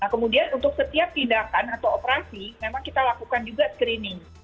kemudian untuk setiap tindakan atau operasi memang kita lakukan juga screening